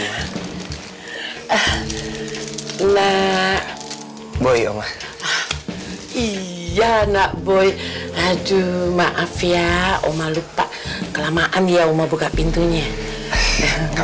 ke rumah lah boy ya nak boy aduh maaf ya oma lupa kelamaan ya oma buka pintunya enggak